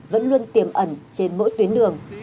vẫn luôn tiềm ẩn trên mỗi tuyến đường